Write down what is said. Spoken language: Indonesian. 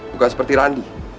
bukan seperti randy